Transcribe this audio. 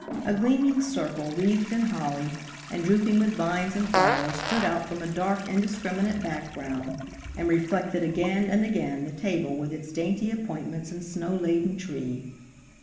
A gleaming circle wreathed in holly and drooping with vines end flowers stood out from a dark, in discriminate background and reflected again and again the table with its dainty appointments and snow laden tree.